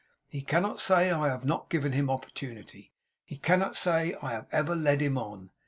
He cannot say I have not given him opportunity. He cannot say I have ever led him on.